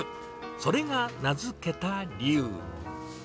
それが名付けた理由。